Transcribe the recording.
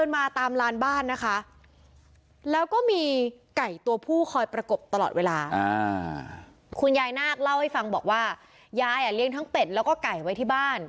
บ้านบ้านนะคะแล้วก็มีไก่ตัวผู้คอยประกบตลอดเวลาอ่าคุณยายน่ากเล่าให้ฟังบอกว่ายายอ่ะเรียงทั้งเป็ดแล้วก็ไก่ไว้ที่บ้าน